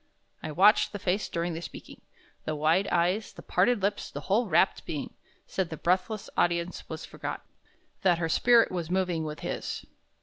I watched the face during the speaking. The wide eyes, the parted lips, the whole rapt being, said the breathless audience was forgotten, that her spirit was moving with his.